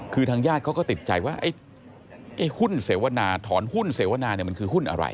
คือทางญาติเขาก็ติดใจว่าไอ้หุ้นเสวนาถอนหุ้นเสวนาเนี่ยมันคือหุ้นอะไร